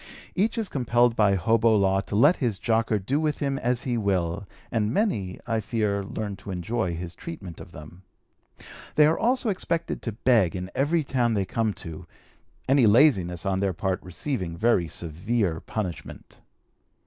Each is compelled by hobo law to let his jocker do with him as he will, and many, I fear, learn to enjoy his treatment of them. They are also expected to beg in every town they come to, any laziness on their part receiving very severe punishment.